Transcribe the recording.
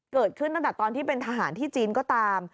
เกิดขึ้นตั้งแต่ตอนที่เป็นทหารที่จีนก็ตาม